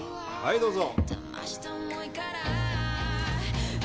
はいどうぞ。